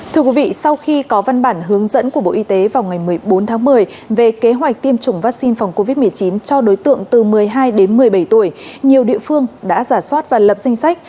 thưa quý vị sau khi có văn bản hướng dẫn của bộ y tế vào ngày một mươi bốn tháng một mươi về kế hoạch tiêm chủng vaccine phòng covid một mươi chín cho đối tượng từ một mươi hai đến một mươi bảy tuổi nhiều địa phương đã giả soát và lập danh sách